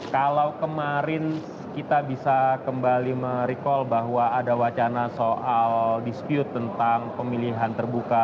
kalau kemarin kita bisa kembali merecall bahwa ada wacana soal dispute tentang pemilihan terbuka